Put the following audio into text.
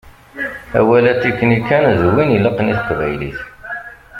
Amawal atiknikand win ilaqen i teqbaylit.